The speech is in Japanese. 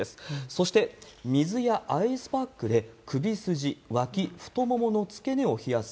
そして、水やアイスパックで、首筋、わき、太ももの付け根を冷やす。